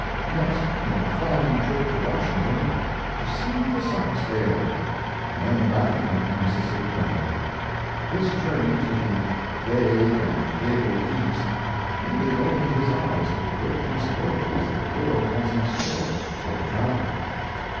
Next came a flying trip to Washington "to see the sights there," and then back he went to the Mississippi Valley. This journey to the "vague and fabled East" really opened his eyes to the great possibilities that the world has in store for the traveller.